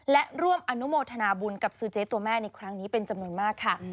และร่วมอนุโมทนาบุญกับซื้อเจ๊ตัวแม่ในครั้งนี้เป็นจำนวนมากค่ะ